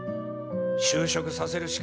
就職させるしかないな。